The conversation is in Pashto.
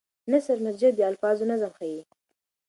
نثر مسجع د الفاظو نظم ښيي.